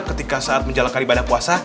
ketika saat menjalankan ibadah puasa